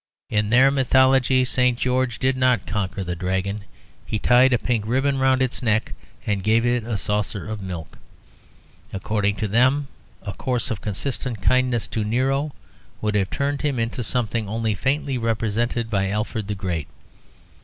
In their mythology St. George did not conquer the dragon: he tied a pink ribbon round its neck and gave it a saucer of milk. According to them, a course of consistent kindness to Nero would have turned him into something only faintly represented by Alfred the Great.